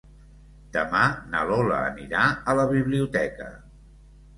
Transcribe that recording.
Demà na Lola anirà a la biblioteca.